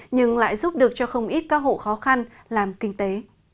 nhưng lại giúp được cho không ít các hộ khó khăn làm kinh tế